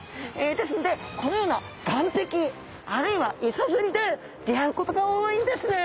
ですのでこのような岸壁あるいは磯釣りで出会うことが多いんですね。